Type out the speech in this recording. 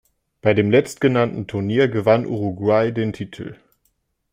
Bei dem letztgenannten Turnier gewann Uruguay den Titel.